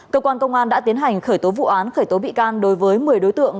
cơ quan công an đã tiến hành khởi tố vụ án khởi tố bị can đối với một mươi đối tượng